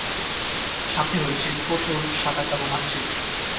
সাথে রয়েছে প্রচুর সাদাকালো মানচিত্র।